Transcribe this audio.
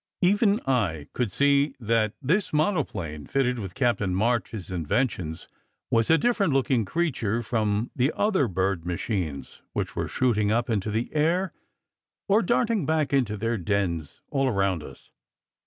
Even I could see that this monoplane, fitted with Cap tain March s inventions, was a different looking creature from the other bird machines which were shooting up into the air, or darting back into their dens, all around us.